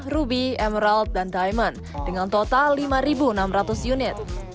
ruby emerald dan diamond dengan total lima enam ratus unit